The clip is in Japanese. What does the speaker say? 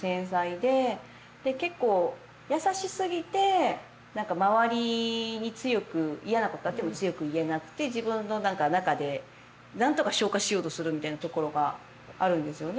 で結構優しすぎて何か周りに強く嫌なことがあっても強く言えなくて自分の中でなんとか消化しようとするみたいなところがあるんですよね